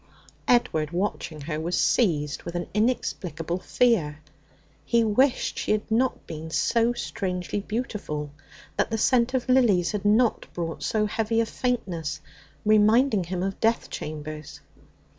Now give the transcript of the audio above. Edward, watching her, was seized with an inexplicable fear. He wished she had not been so strangely beautiful, that the scent of lilies had not brought so heavy a faintness, reminding him of death chambers.